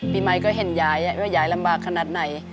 ปีใหม่ก็เห็นยายว่ายายลำบากขนาดไหน